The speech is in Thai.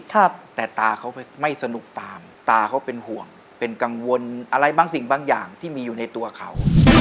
แต่ตาเขาไม่สนุกตามตาเขาเป็นห่วงเป็นกังวลอะไรบางสิ่งบางอย่างที่มีอยู่ในตัวเขา